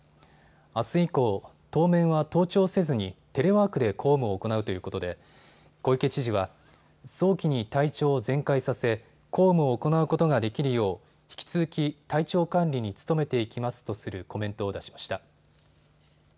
あす以降、当面は登庁せずにテレワークで公務を行うということで小池知事は早期に体調を全快させ公務を行うことができるよう引き続き体調管理に努めていきますとするコメントを出しました。